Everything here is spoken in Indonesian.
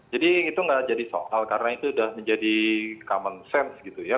jadi itu nggak jadi soal karena itu sudah menjadi common sense gitu ya